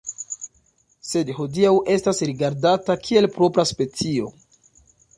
Sed hodiaŭ estas rigardata kiel propra specio.